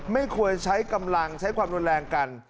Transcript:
ไม่ควรใช้กำลังใช้ความรุนแรงกัน